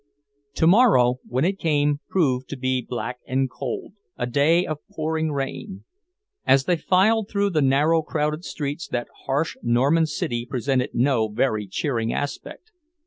Tomorrow, when it came, proved to be black and cold, a day of pouring rain. As they filed through the narrow, crowded streets, that harsh Norman city presented no very cheering aspect.